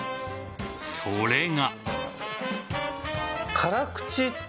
それが。